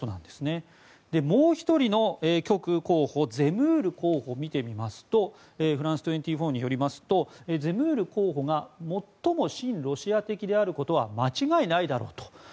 そして、もう１人の極右候補ゼムール候補を見てみますとフランス２４によりますとゼムール候補が最も親ロシア的であることは間違いないだろうと。